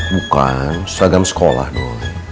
bukan seragam sekolah doi